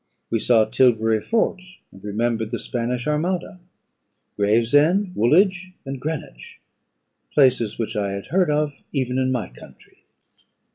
We saw Tilbury Fort, and remembered the Spanish armada; Gravesend, Woolwich, and Greenwich, places which I had heard of even in my country.